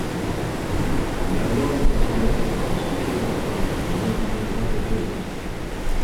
L'album est considéré comme étant suffisamment varié pour maintenir l'intérêt de l'auditeur.